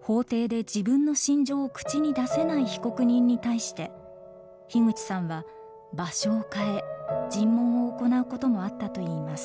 法廷で自分の心情を口に出せない被告人に対して口さんは場所を変え尋問を行うこともあったといいます。